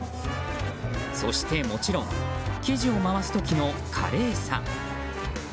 そして、もちろん生地を回す時の華麗さ。